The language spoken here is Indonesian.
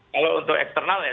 kalau untuk eksternal ya